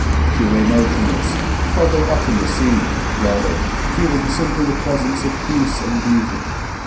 She lay motionless, hardly watching the scene; rather, feeling simply the presence of peace and beauty.